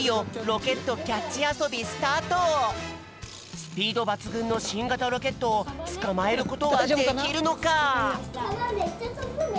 スピードばつぐんのしんがたロケットをつかまえることはできるのか！？